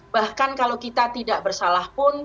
bahkan kalau kita tidak bersalah pun